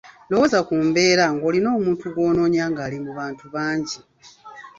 Lowooza ku mbeera ng’olina omuntu gw’onoonya ng’ali mu bantu bangi,